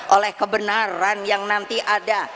oleh kebenaran yang nanti ada